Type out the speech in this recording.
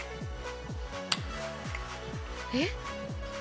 えっ？